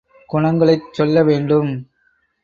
குணங்களைச் சொல்ல வேண்டும்.